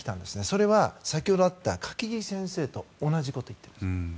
それは先ほどあった柿木先生と同じことを言っているんです。